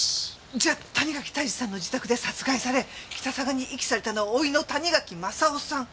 じゃあ谷垣泰治さんの自宅で殺害され北嵯峨に遺棄されたのは甥の谷垣正雄さん。